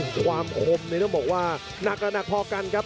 อุ้โหความคมเนี่ยต้องบอกว่าหนักก็หนักพอกันครับ